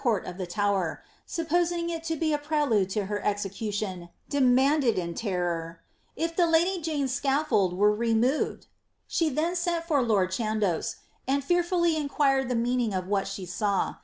inner conrt of the Tower, supposing it to be a prelude to her ezecatioii, demanded in terror, ^ if the lady Janets scaffold were removed." ' She then sent for lord Chandos,' and fearfully inquired the meaning of what she saw.